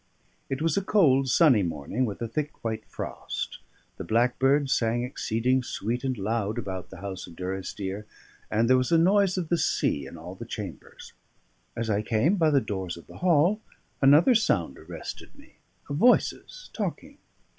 It was a cold, sunny morning, with a thick white frost; the blackbirds sang exceeding sweet and loud about the house of Durrisdeer, and there was a noise of the sea in all the chambers. As I came by the doors of the hall, another sound arrested me of voices talking.